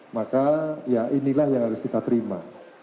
maka ya inilah yang harus kita terima